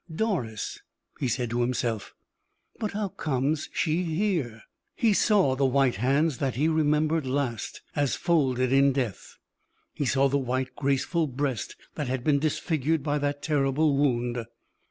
"Doris," he said to himself; "but how comes she here?" He saw the white hands that he remembered last as folded in death; he saw the white, graceful breast that had been disfigured by that terrible wound.